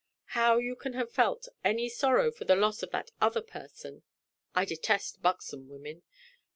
How you can have felt any sorrow for the loss of that other person (I detest buxom women!)